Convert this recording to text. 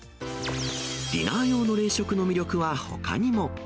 ディナー用の冷食の魅力はほかにも。